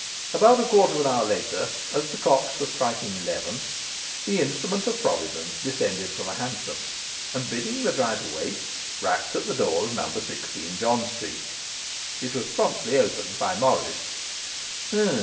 About a quarter of an hour later, as the clocks were striking eleven, the instrument of Providence descended from a hansom, and, bidding the driver wait, rapped at the door of No. 16 John Street. It was promptly opened by Morris.